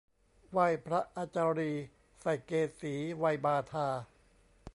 ไหว้พระอาจารีย์ ใส่เกศีไหว้บาทา